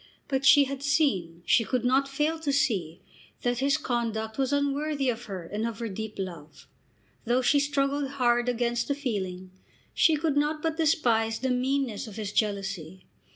But she had seen, she could not fail to see, that his conduct was unworthy of her and of her deep love. Though she struggled hard against the feeling, she could not but despise the meanness of his jealousy.